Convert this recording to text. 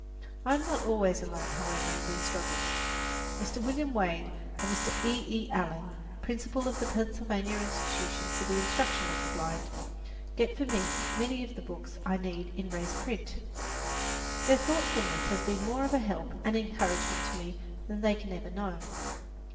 I am not always alone, however, in these struggles. Mr. William Wade and Mr. E. E. Allen, Principal of the Pennsylvania Institution for the Instruction of the Blind, get for me many of the books I need in raised print. Their thoughtfulness has been more of a help and encouragement to me than they can ever know.